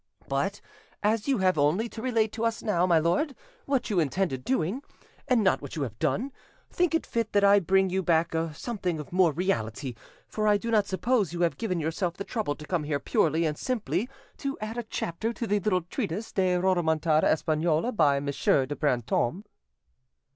But as you have only to relate to us now, my lord, what you intended doing, and not what you have done, think it fit that I bring you back to something of more reality; for I do not suppose you have given yourself the trouble to come here purely and simply to add a chapter to the little treatise Des Rodomontades Espagnolles by M. de Brantome."